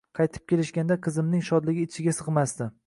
Qaytib kelishganda, qizimning shodligi ichiga sig`masdi